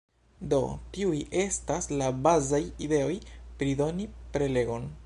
Do tiuj estas la bazaj ideoj pri doni prelegon.